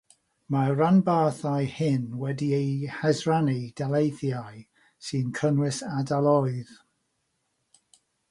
Mae'r rhanbarthau hyn wedi'u hisrannu'n daleithiau, sy'n cynnwys ardaloedd.